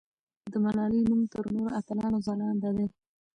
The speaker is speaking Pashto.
د ملالۍ نوم تر نورو اتلانو ځلانده دی.